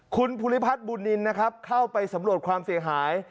คุณภูริพัฒน์บุญนินนะครับเข้าไปสำรวจความเสียหาย